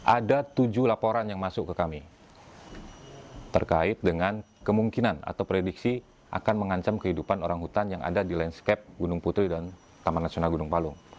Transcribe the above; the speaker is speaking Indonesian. ada tujuh laporan yang masuk ke kami terkait dengan kemungkinan atau prediksi akan mengancam kehidupan orang hutan yang ada di landscape gunung putri dan taman nasional gunung palung